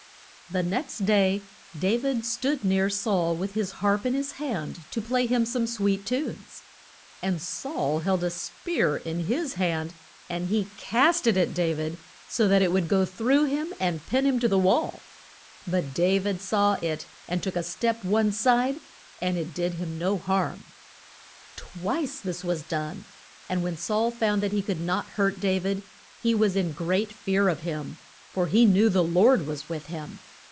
The next day Da vid stood near Saul with his harp in his hand to play him some sweet tunes. And Saul held a spear in his hand, and he cast it at Da vid so that it would go through him and pin him to the wall. But Da vid saw it and took a step one side, and it did him no harm. Twice was this done, and when Saul found that he could not hurt Da vid, he was in great fear of him, for he knew the Lord was with him.